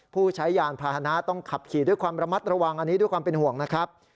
ผู้ใช้ยานพาหนะต้องขับขี่ด้วยความระมัดระวังอันนี้ด้วยความเป็นห่วงนะครับ